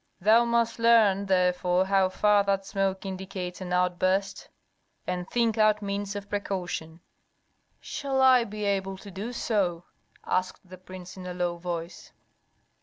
Thou must learn therefore how far that smoke indicates an outburst, and think out means of precaution." "Shall I be able to do so?" asked the prince, in a low voice.